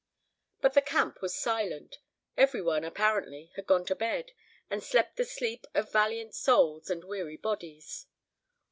But the camp was silent. Every one, apparently, had gone to bed, and slept the sleep of valiant souls and weary bodies.